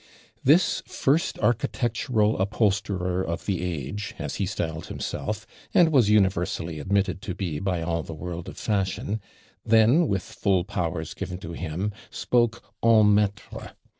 This first architectural upholsterer of the age, as he styled himself, and was universally admitted to be by all the world of fashion, then, with full powers given to him, spoke EN MAITRE.